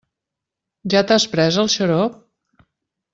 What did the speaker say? Ja t'has pres el xarop?